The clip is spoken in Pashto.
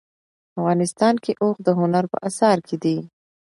افغانستان کې اوښ د هنر په اثار کې دي.